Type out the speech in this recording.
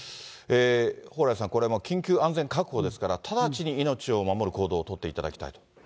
蓬莱さん、これもう、緊急安全確保ですから、直ちに命を守る行動を取っていただきたいと。